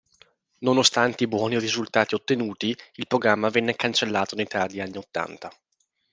Nonostante i buoni risultati ottenuti, il programma venne cancellato nei tardi anni ottanta.